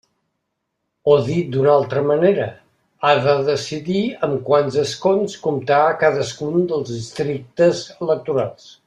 O dit d'una altra manera, ha de decidir amb quants escons comptarà cadascun dels districtes electorals.